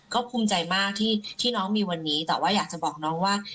ก็ภูมิใจมากที่น้องมีวันนี้แต่ว่าอยากจะบอกน้องว่า